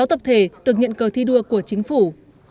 sáu tập thể được nhận cờ thi đua của chính phủ